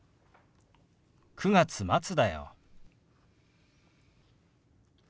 ９月末だよ。